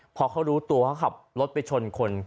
พอเขารู้ตัวเขาขับรถไปชนคน